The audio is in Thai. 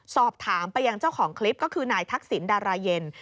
สอบถามไปยังเจ้าของคลิปก็คือนายทักษิณดาราเย็น